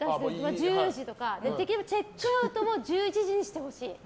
１０時とかできればチェックアウトも１１時にしてほしい。